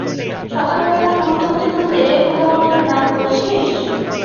সকালবেলা ফুল তুলতে তুলতে ওলাউঠার নাম করছিস!